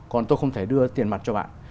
còn tôi không thể đưa tiền mặt cho bạn